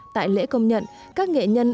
tại lễ công nhận các nghệ nhân